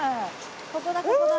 ここだここだ。